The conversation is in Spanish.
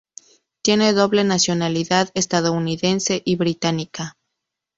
Tiene doble nacionalidad estadounidense y británica.